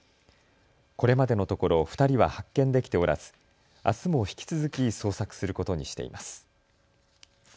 これまでのところ２人は発見できておらずあすも引き続き捜索することにしています。